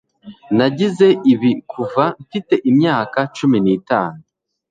nagize ibi kuva mfite imyaka cumi n'itatu